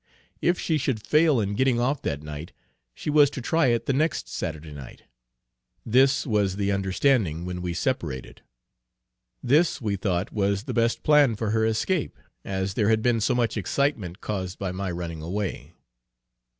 If she should fail in getting off that night, she was to try it the next Saturday night. This was the understanding when we separated. This we thought was the best plan for her escape, as there had been so much excitement caused by my running away.